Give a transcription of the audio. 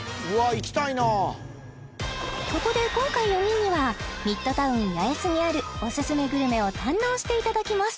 行きたいなそこで今回４人にはミッドタウン八重洲にあるオススメグルメを堪能していただきます